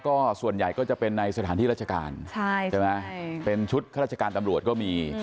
ก็ส่วนใหญ่ก็จะเป็นในสถานที่ราชการใช่ไหมเป็นชุดข้าราชการตำรวจก็มี